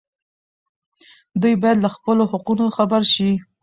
دوی باید له خپلو حقونو خبر شي.